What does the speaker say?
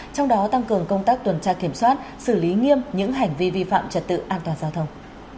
trong đó tăng cường công tác tuần tra kiểm soát xử lý nghiêm những hành vi vi phạm trật tự an toàn giao thông